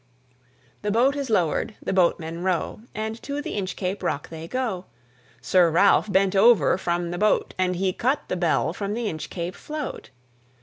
The boat is lowered, the boatmen row, And to the Inchcape Rock they go; Sir Ralph bent over from the boat, And he cut the Bell from the Inchcape float.